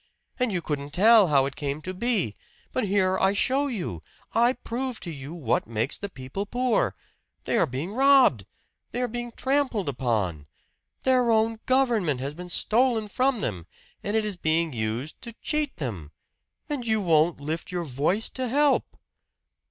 And you couldn't tell how it came to be. But here I show you I prove to you what makes the people poor! They are being robbed they are being trampled upon! Their own government has been stolen from them, and is being used to cheat them! And you won't lift your voice to help!"